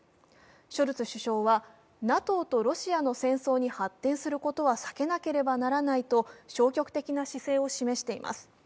ショルツ首相はＮＡＴＯとロシアの戦争に発展することは避けなければならないと消極的な姿勢を示しています。